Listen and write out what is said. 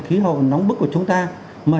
khí hậu nóng bức của chúng ta mà